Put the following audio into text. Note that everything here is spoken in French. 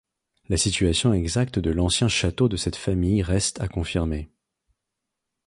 La situation exacte de l'ancien château de cette famille reste à confirmer.